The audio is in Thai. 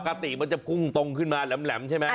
ปกติถ้ามันมันคุกตรงขึ้นมาแหลมใช่ไหม